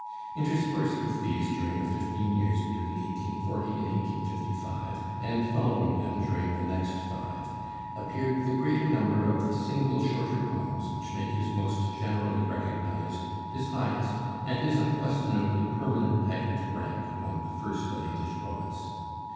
Interspersed with these during the fifteen years between 1840 and 1855, and following them during the next five, appeared the greater number of the single shorter poems which make his most generally recognized, his highest, and his unquestionably permanent title to rank among the first of English poets.